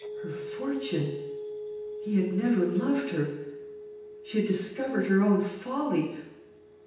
Her fortune! He had never loved her! She had discovered her own folly!